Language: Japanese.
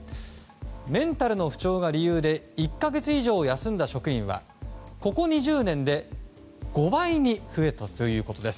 メンタルの不調が理由で１か月以上休んだ職員はここ２０年で５倍に増えたということです。